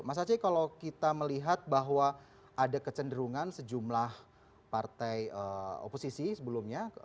mas aceh kalau kita melihat bahwa ada kecenderungan sejumlah partai oposisi sebelumnya